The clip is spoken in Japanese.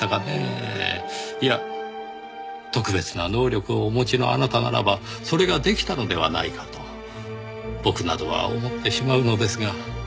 いや特別な能力をお持ちのあなたならばそれができたのではないかと僕などは思ってしまうのですが。